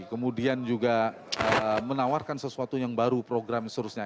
kemudian juga menawarkan sesuatu yang baru program seterusnya